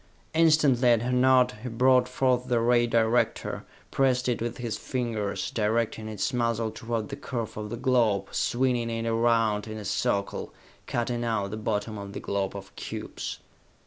Instantly, at her nod, he brought forth the ray director, pressed it with his fingers, directing its muzzle toward the curve of the globe, swinging it around in a circle, cutting out the bottom of the globe of cubes.